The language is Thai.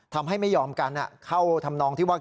ไม่ยอมกันเข้าทำนองที่ว่า